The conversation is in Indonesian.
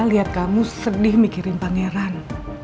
lihat kamu sedih mikirin pangeran